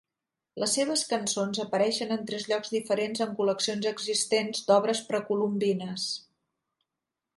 Les seves cançons apareixen en tres llocs diferents en col·leccions existents d'obres precolombines.